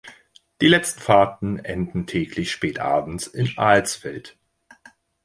Die letzten Fahrten enden täglich spätabends in Alsfeld.